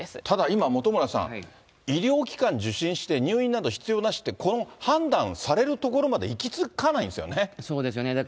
ただ、今、本村さん、医療機関受診して、入院など必要なしって、この判断されるところまで行きつかないんですよね。